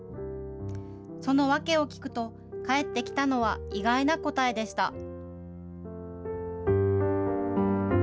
その訳を聞くと、返ってきたのは、意外な答えでした。